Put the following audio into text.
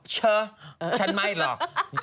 เชอะฉันไม่หรอก